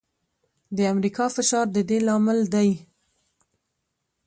د امریکا فشار د دې لامل دی.